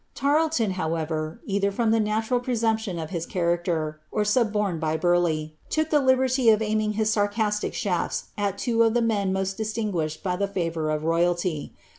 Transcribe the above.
Tarleton, however, either from the natural presumption of his character, or suborned by Burleigh, took the liberty of aiming his sarcastic shafls at two of the men most distinguished by the favour of royalty.